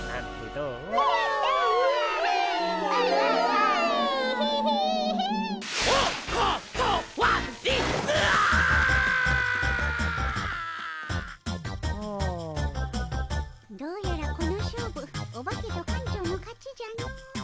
どうやらこの勝負オバケと館長の勝ちじゃの。